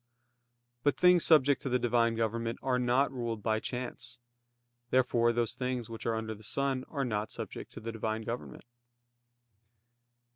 But things subject to the Divine government are not ruled by chance. Therefore those things which are under the sun are not subject to the Divine government.